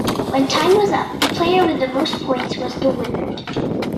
When time was up, the player with the most points was the winner.